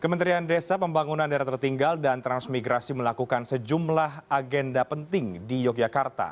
kementerian desa pembangunan daerah tertinggal dan transmigrasi melakukan sejumlah agenda penting di yogyakarta